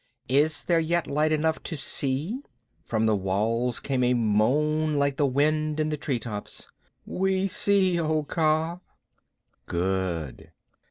"Is there yet light enough to see?" From the walls came a moan like the wind in the tree tops "We see, O Kaa." "Good.